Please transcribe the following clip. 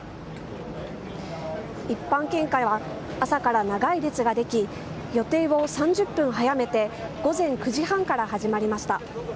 一般献花は朝から長い列が出来、予定を３０分早めて、午前９時半から始まりました。